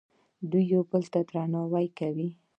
دوی یو بل ته درناوی کوي.